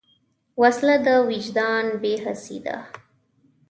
وسله د وجدان بېحسي ده